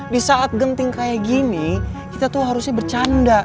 di saat genting kayak gini kita tuh harusnya bercanda